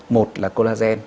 một là collagen